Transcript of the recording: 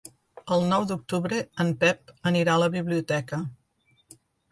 El nou d'octubre en Pep anirà a la biblioteca.